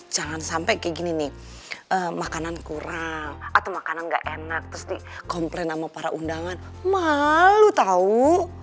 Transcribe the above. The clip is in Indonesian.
jangan sampai kayak gini nih makanan kurang atau makanan gak enak terus komplain sama para undangan malu tahu